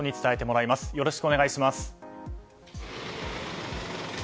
よろしくお願いします。